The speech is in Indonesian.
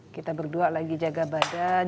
kita berdua lagi jaga badan